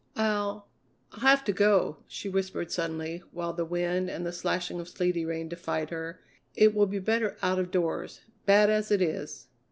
"I'll I'll have to go!" she whispered suddenly, while the wind and the slashing of sleety rain defied her. "It will be better out of doors, bad as it is!"